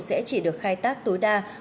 sẽ chỉ được khai tác tối đa